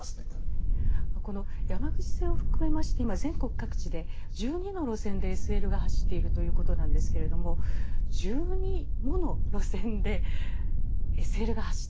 この山口線を含めまして今全国各地で１２の路線でＳＬが走っているということなんですけれども１２もの路線でＳＬが走っているという状況はどのようにご覧になりますか？